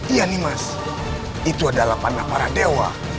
iya nih mas itu adalah panah para dewa